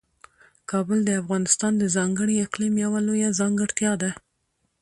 کابل د افغانستان د ځانګړي اقلیم یوه لویه ځانګړتیا ده.